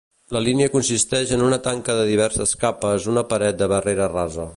La línia consisteix en una tanca de diverses capes una paret de barrera rasa.